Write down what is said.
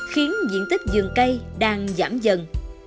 khiến diện tích dường cây đang giảm dần